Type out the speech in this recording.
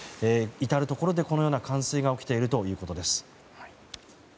至るところでこのような冠水が起きているということです。